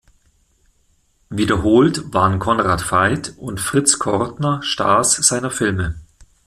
Wiederholt waren Conrad Veidt und Fritz Kortner Stars seiner Filme.